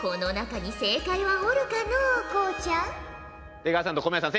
出川さんと小宮さん